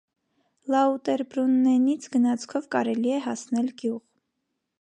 Լաուտերբրուննենից գնացքով կարելի է հասնել գյուղ։